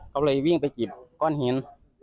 เขาเลยวิ่งไปหยิบก้อนหิน